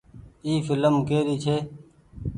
اي ڦلم ڪي ري ڇي۔